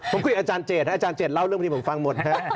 ผมคุยกับอาจารย์เจดอาจารย์เจ็ดเล่าเรื่องพวกนี้ผมฟังหมดฮะ